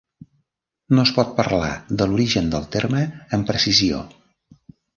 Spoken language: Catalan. No es pot parlar de l'origen del terme amb precisió.